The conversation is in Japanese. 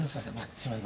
すいません。